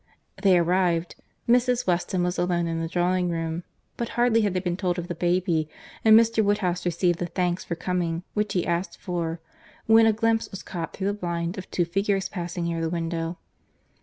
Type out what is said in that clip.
They arrived.—Mrs. Weston was alone in the drawing room:—but hardly had they been told of the baby, and Mr. Woodhouse received the thanks for coming, which he asked for, when a glimpse was caught through the blind, of two figures passing near the window.